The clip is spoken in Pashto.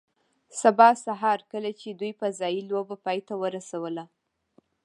سبا سهار کله چې دوی فضايي لوبه پای ته ورسوله